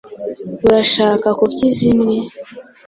Urashaka kuki zimwe?